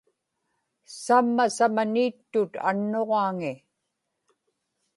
samma samani ittut annuġaaŋi